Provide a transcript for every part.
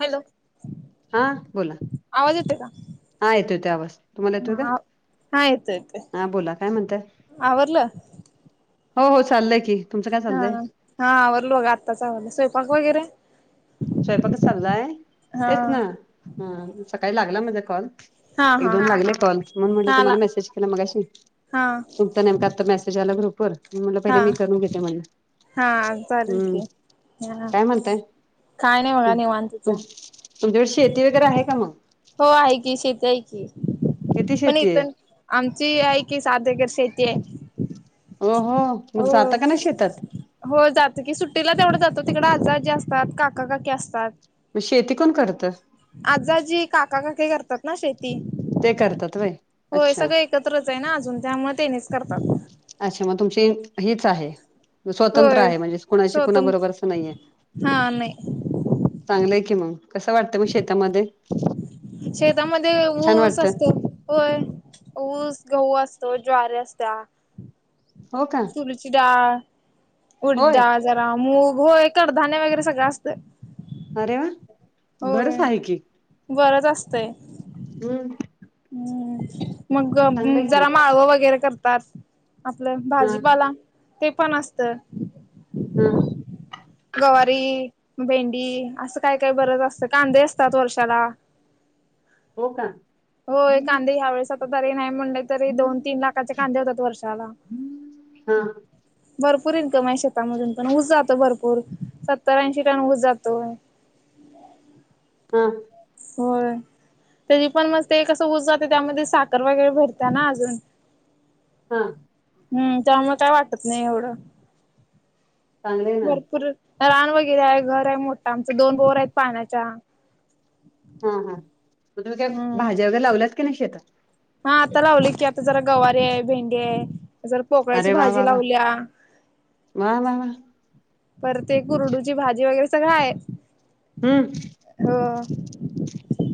Hello हा बोला, आवाज येतोय का? हा, येतोय त्या अवाज, तुम्हाला येतोय का? हा हा येतोय येतोय हा बोला, काय म्हणतय, आवरलं? हो, हो चाललय की. तुमचं काय हा, चाललंय हा आवरडलो बघ, आत्ताच आवरल स्वयंपाक वगैरे, स्वयंपाकच चाललाय, हा तेच ना सकाळी लागला माझ कॉल, हा एक हा दोन लागलेकॉल, म्हण म्हटलं हा आला तुम्हाला मेसेज केला, मगाशी हा नेमका आता, मेसेज आला ग्रुप वर, म्हलं हा पहिले मी करून घेते, म्हणल हा चालेल हम्म की हा काय म्हणतय, काय नाही बघा निवांतच आहे. तुमच्याकडे शेती, वगैरे आहे का मग? हो, आहे की शेती आहे की, किती पण शेती आहे इथण आमची आहे की, सात एकर शेती आहे, हो, हो मग जात का ना शेतात! हो जातं की, सुट्टीला तेवढं जातो, तिकडे आज, आजी, असतात काका, काकी असतात. मग शेती कोण करत? आजा, आज्जी, काका, काकी करतात ना शेती. ते करतात होय. होय, सगळं एकत्रच आहे ना अजून त्यामुळे तेनीच करतात. अच्छा! मग तुमची हीच आहे. स्वतंत्र होय आहे, म्हणजे कुणाशी कुणा बरोबर स्वतंत्र असं नाहीये. हा नाही चांगलंय की, मग कसं वाटतं मग शेता मध्ये? शेतामध्ये ऊस वाटतं असतो. होय, ऊस गहू असतो ज्वारी असत्या. हो का. तुरीची डाळ, उडीद होय डाळ जरा मूग होय कडधान्यं वगैरे सगळं असतयं. अरे वा! बरचं आहे की. बरचं असतेय. हम्म, हम्म, मग चांगलंय की जरा माळव वगैरे करतात. आपलं हा भाजीपाला ते पण असत. ह. गवारी भेंडी असं काय काय बरच असतं, कांदे असतात वर्षाला. हो का होय, कांदे ह्या वेळेस आता तरी नाही म्हणल तरी, दोन तीन लाखाचे कांदे होतात वर्षाला. हा भरपूर इन्कम आहे, शेतामधून पण ऊस जातो भरपूर सत्तर ऐंशी टन ऊस जातोय. हा. होय. त्याची पण मस्त हे कसं ऊज जातो, त्यामध्ये साखर वगैरे भरते ना अजून. हा. हम्म, त्यामुळे काय वाटत नाही एवढं चांगले ना भरपूर रान वगैरे आहे घर आहे मोठं आमच दोन बोर आहेत पाण्याच्या. हा हा, मग तुम्ही काय हम्म भाज्या वगैरे लावल्यात की नाही शेतात? हा आता लावले की, आता जरा गवारी आहे भेंडे आहे. जरा पोकळ्याची अरे वा वा भाजी वा लावल्या. वा वा वा परत ते कुरडूची भाजी वगैरे सगळं आहे. हम्म, हो.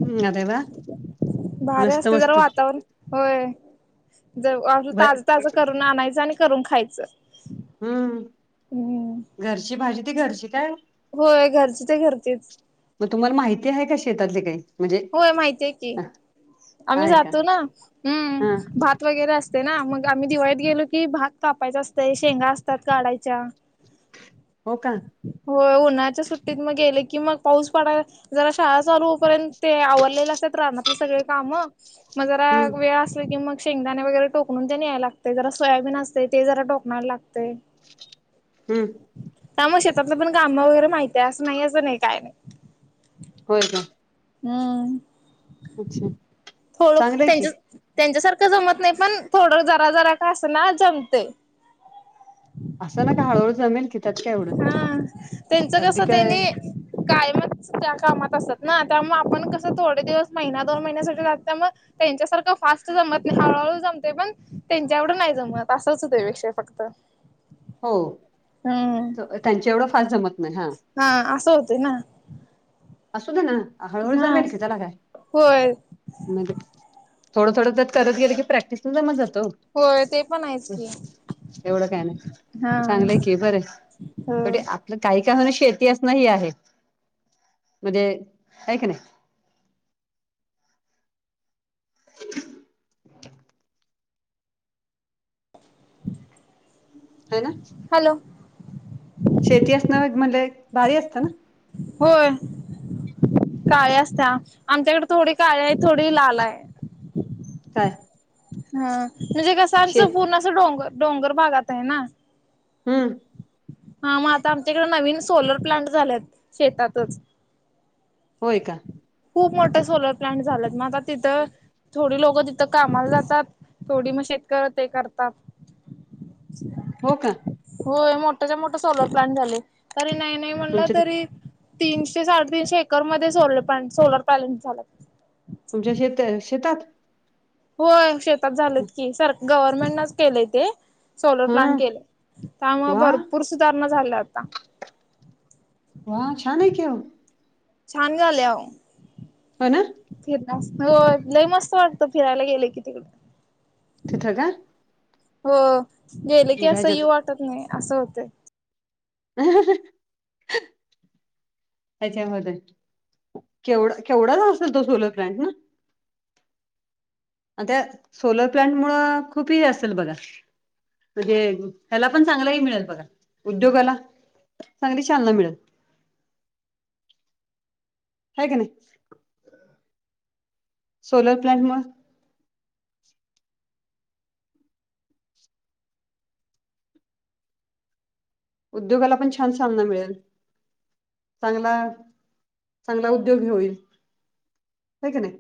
हम् अरे वा! भारी मस्त असतय जरा मस्त वातावरण होय. जर ब ताज ताजं करून आणायचं आणि करून खायचं. हम्म हम्म घरची भाजी ती घरची काय होय घरची ते घरचीच. मग तुम्हाला माहिती आहे का शेतातले काही म्हणजे होय माहितीय की आम्ही आहे का जातो ना हा हम्म वगैरे असते ना मग आम्ही दिवाळीत गेलो की भात कापायचा असतय शेंगा असतात काढायच्या. हो का. होय उन्हाच्या सुट्टीत मग गेले की मग पाऊस पडाय जरा शाळा चालू होऊपर्यंत ते आवरलेले असतात रानाले सगळे काम मग जरा हम्म वेळ असल की मग शेंगदाणे वगैरे टोकणून ते यायला लागते जरा सोयाबीन असते ते जरा टोकनायला लागतय. हम्म. त्यामुळ शेतातलं पण काम वगैरे माहतीय असं नाही असं नाही काय. होय. हम्म अच्छा थोडं चांगलंय की त्यांच्या त्यांच्यासारखं जमत नाही पण थोडं जरा जरा का असं ना जमते. असं ना का हळूळ जमीन हा त्यांचं कस काय त्यांनी कायमच त्या कामात असत ना त्यामु आपण कसं थोडे दिवस महिना दोन महिन्यासाठी त्या मग त्यांच्यासारखं फास्ट जत हळूहळू जमते पण त्यांच्याकड नाही जमत असंच होतंपेक्षा फक्त हो हम्म. त्यांच्या एवढं फास जमत नाही हा हा असं होतय ना असू दे ना हळूहळू हा जमेल की त्याला काय होय मग थोडं थोडं तरत करत गेलं की प्रॅक्टिस न जमा जातो होय ते पण आहेच की. एवढं काय नाही चांगलंय की बर हा आपलं काही काय होण शेती असणही आहे म्हणजे काऐ का नाही ह ना हॅलो शेती असण म्हणले भारी असतं ना होय काळ्या असत्या आमच्याकडे थोडी काळी आहे थोडी लाल आहे काय हा म्हणजे कसं आमचं शेत पूर्ण अस डोंगर डोंगर भागात आहे ना हम्म हा मग आता आमच्याकडें नवीन सोलर प्लांट झालेत शेतातच होय का खूप मोठं सोलर प्लांट झालात मग आता तिथं थोडी लोकं तिथं कामाला जातात थोडी मग शेतकऱ ते करतात अ हो का होय मोठ्याच्या मोठ सोलर प्लांट झाले तरी नाही नाही म्हणलं तुमच्या ते तरी तीनशे साडेतीीनशे एकरमध्येध्ये स सोलर पॅलेंट झाला तुमच्या शेत शेतात होय शेतात झालंत की सर गव्हर्नमेंट नच केलंय ते सोलर हा प्लांट केले त्यामुळे वा भरपूर सुधारणा झाल्या आता वा नाही केिव छान झाले हो ना फिर हो लई मस्त वाटत फिरायला गेले की तिकडे तिथं का हो गेले की म्हणजे असं यी ह्याच्यात वाटत नाही असं होते हम त्याच्यामध्ये केवढा केवढा जा असत तो सोलो क्रँस ना आणि त्या सोलर प्लं्ट मुं खूप ह असेल बघा म्हणजे ह्याला पण चांगलाही मिळेल बघा उद्योगाला चांगली चालना मिळेल ह का नाही सोलार प्लांट मग उद्योगाला पण छान सामना मिळेल चांगला चांगला उद्योग होईल का का नाही